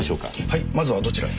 まずはどちらへ？